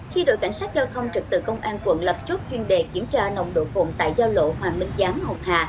khi đội cảnh sát giao thông trực tự công an quận lập chốt chuyên đề kiểm tra nồng độ cồn tại giao lộ hoàng minh giám hậu hà